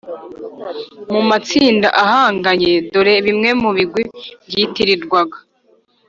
Mu matsinda ahanganye dore bimwe mu bigwi byitirirwaga